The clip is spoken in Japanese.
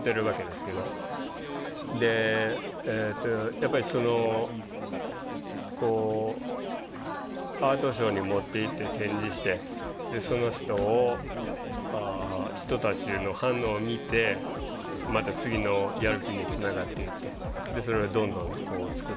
でやっぱりそのこうアートショーに持っていって展示してその人たちの反応を見てまた次のやる気につながっていってそれをどんどん作っていくと。